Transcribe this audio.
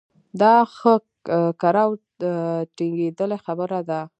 دا ښه کره او ټنګېدلې خبره ده.